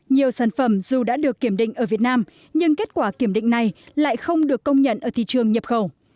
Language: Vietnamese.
nhiều sản phẩm dù đã được kiểm định ở việt nam nhưng kết quả kiểm định này lại không được công nhận ở thị trường nhập khẩu